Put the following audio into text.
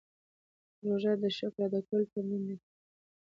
روژه د شکر ادا کولو تمرین دی.